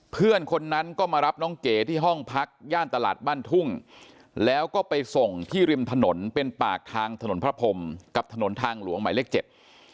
เพื่อนคนนั้นก็มารับน้องเก๋ที่ห้องพักย่านตลาดบ้านทุ่งแล้วก็ไปส่งที่ริมถนนเป็นปากทางถนนพระพรมกับถนนทางหลวงหมายเลขเจ็ด